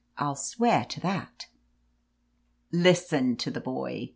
Vl\ swear to that." "Listen to the boy!"